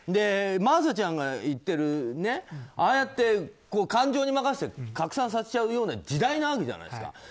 真麻ちゃんが言ってるああやって感情に任せて拡散させちゃうような時代じゃないですか。